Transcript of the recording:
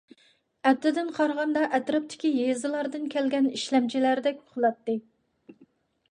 ئەپتىدىن قارىغاندا ئەتراپتىكى يېزىلاردىن كەلگەن ئىشلەمچىلەردەك قىلاتتى.